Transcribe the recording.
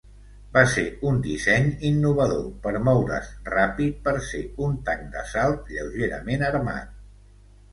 Va ser un disseny innovador per moure's ràpid, per ser un tanc d'assalt lleugerament armat.